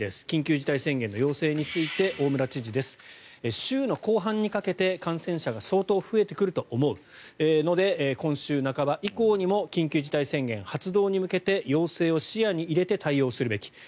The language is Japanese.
緊急事態宣言の要請について大村知事です、週の後半にかけて感染者が相当増えてくると思うので今週半ば以降にも緊急事態宣言発動に向けて要請を視野に入れて対応するべき。